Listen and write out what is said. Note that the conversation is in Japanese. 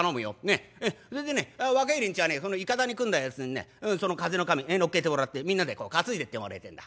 それでね若い連中はねそのいかだに組んだやつにねその風の神のっけてもらってみんなでこう担いでってもらいてえんだ。